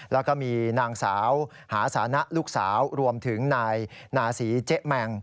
แล้วก็มีนางสาวหาสานะลูกสาวรวมถึงนายนาศรีเจ๊แมง